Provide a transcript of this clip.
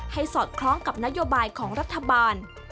สอดคล้องกับนโยบายของรัฐบาล